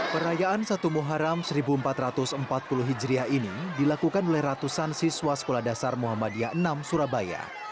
perayaan satu muharam seribu empat ratus empat puluh hijriah ini dilakukan oleh ratusan siswa sekolah dasar muhammadiyah enam surabaya